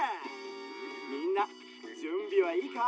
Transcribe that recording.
みんなじゅんびはいいか？